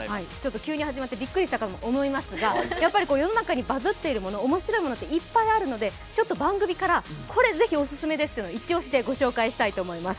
急に始まってびっくりなさったかと思うんですが世の中にバズっているもの、面白いものっていっぱいあるので番組からこれ、ぜひオススメですというのをイチ押しで御紹介したいと思います。